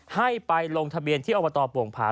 ให้ไปลงทะเบียนที่อบตโป่งผา